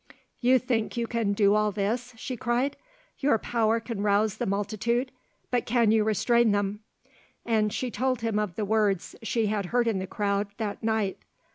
"You think you can do all this?" she cried. "Your power can rouse the multitude; but can you restrain them?" And she told him of the words she had heard in the crowd that night.